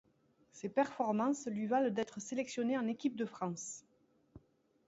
Ses performances lui valent d'être sélectionné en équipe de France.